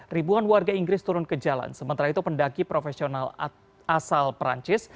ribuan warga inggris turun ke jalan sementara itu pendaki profesional asal perancis